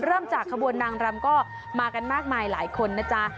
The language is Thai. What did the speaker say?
เริ่มจากขบวนนางรำก็มากันมากมายหลายคนนะจ๊ะ